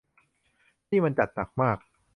นี่มันจัดหนักมาก